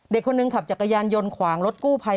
เด็กคนหนึ่งขับจักรยานยนต์ขวางรถกู้ภัย